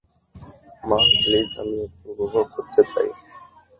মা, প্লিজ, আমি একটু উপভোগ করতে চাই।